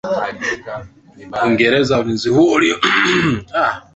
wa Uingereza Ulinzi huo ulizuia uvamizi wa Saudia katika karne ya